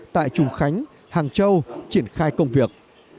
tại trùng khánh hàng châu triển khai công việc